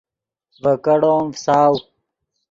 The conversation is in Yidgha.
ڤے کیڑو ام فساؤ